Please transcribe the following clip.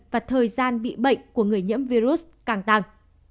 và thời gian bị bệnh của người nhiễm virus càng tăng